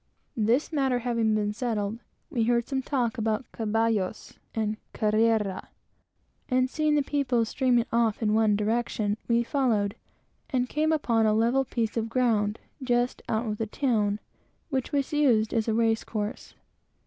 This matter having been settled, we heard some talk about "caballos" and "carrera" and seeing the people all streaming off in one direction, we followed, and came upon a level piece of ground, just out of the town, which was used as a race course.